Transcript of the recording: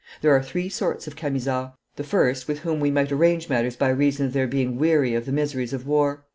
There are three sorts of Camisards: the first, with whom we might arrange matters by reason of their being weary of the miseries of war.